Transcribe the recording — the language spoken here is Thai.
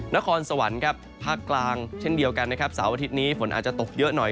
นครสวรรค์ครับภาคกลางเช่นเดียวกันนะครับเสาร์อาทิตย์นี้ฝนอาจจะตกเยอะหน่อย